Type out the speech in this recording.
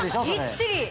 ぎっちり！